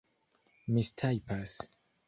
mistajpas